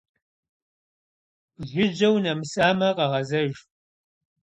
Жыжьэ унэмысамэ, къэгъэзэж.